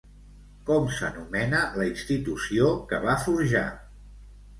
Com s'anomena la institució que va forjar?